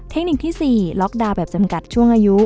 เทคนิคที่๔ล็อกดาวน์แบบจำกัดช่วงอายุ